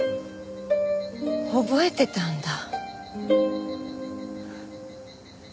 覚えてたんだ。